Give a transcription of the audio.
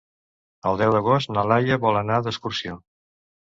El deu d'agost na Laia vol anar d'excursió.